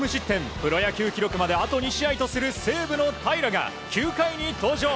プロ野球記録まであと２試合とする西武の平良が９回に登場。